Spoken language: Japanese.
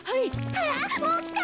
あらもうきた。